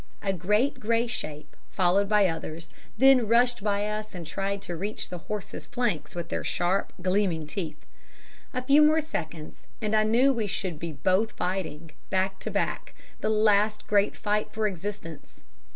A great grey shape, followed by others, then rushed by us and tried to reach the horses' flanks with their sharp, gleaming teeth. A few more seconds, and I knew we should be both fighting, back to back, the last great fight for existence.